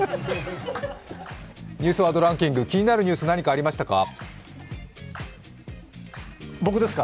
「ニュースワードランキング」、気になるニュースありましたか。